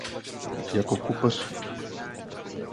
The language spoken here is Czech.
Jako kupř.